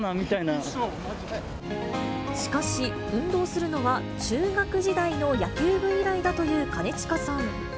しかし、運動するのは中学時代の野球部以来だという兼近さん。